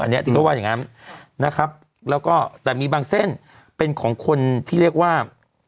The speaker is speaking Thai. อันนี้ที่เขาว่าอย่างงั้นนะครับแล้วก็แต่มีบางเส้นเป็นของคนที่เรียกว่า